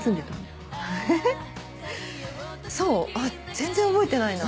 全然覚えてないな。